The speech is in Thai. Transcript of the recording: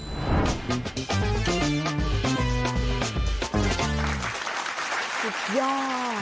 สุดยอด